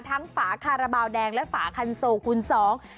ทั้งฝาการบาวแดงและฝาคันโซคุณสอง